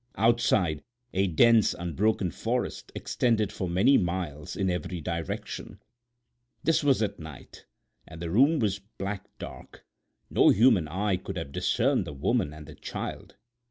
Outside, a dense unbroken forest extended for many miles in every direction. This was at night and the room was black dark: no human eye could have discerned the woman and the child.